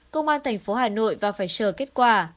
công an tp hà nội và phải chờ kết quả